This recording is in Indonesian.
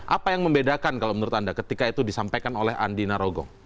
apa yang membedakan kalau menurut anda ketika itu disampaikan oleh andi narogong